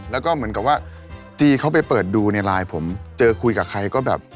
แล้วก็เหมือนกับว่าจีเขาไปเปิดดูในไลน์ผมเจอคุยกับใครก็แบบ